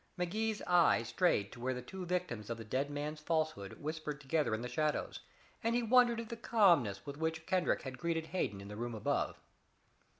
Magee's eyes strayed to where the two victims of the dead man's falsehood whispered together in the shadows, and he wondered at the calmness with which Kendrick had greeted Hayden in the room above.